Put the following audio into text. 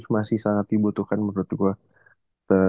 masih sangat dibutuhkan menurut gue